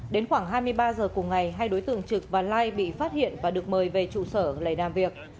đến khoảng hai mươi ba h cùng ngày hai đối tượng trực và lai bị phát hiện và được mời về trụ sở lấy làm việc